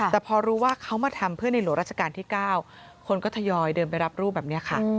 แต่พอรู้ว่าเขามาทำเพื่อในหลวงราชการที่๙คนก็ทยอยเดินไปรับรูปแบบนี้ค่ะ